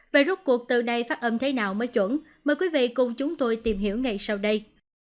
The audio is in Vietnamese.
về rút cuộc từ này phát âm thế nào mới chuẩn mời quý vị cùng chúng tôi tìm hiểu ngay sau đây